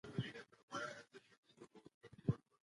ماشومان باید په سالمه فضا کې لوی شي.